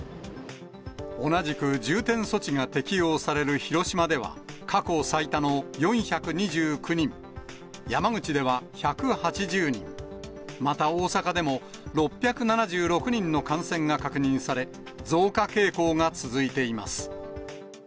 同じく重点措置が適用される広島では、過去最多の４２９人、山口では１８０人、また大阪でも、６７６人の感染が確認され、増加傾向が続いています。